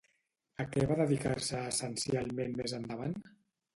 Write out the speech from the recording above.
A què va dedicar-se essencialment més endavant?